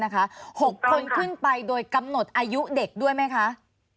๖คนขึ้นไปโดยกำหนดอายุเด็กด้วยไหมคะ